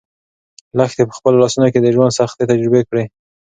لښتې په خپلو لاسو کې د ژوند سختۍ تجربه کړې.